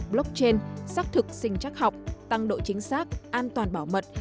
blockchain xác thực sinh chắc học tăng độ chính xác an toàn bảo mật